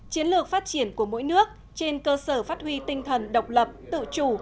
chiến lược phát triển của mỗi nước trên cơ sở phát huy tinh thần độc lập tự chủ